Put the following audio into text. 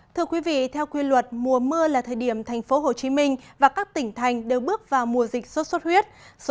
thưa quý vị theo quy luật mùa mưa là thời điểm thành phố hồ chí minh và các tỉnh thành đều bước vào mùa dịch sốt suốt huyết